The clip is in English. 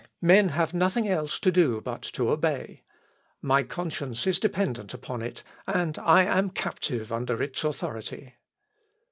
Men have nothing else to do but to obey. My conscience is dependent upon it, and I am captive under its authority."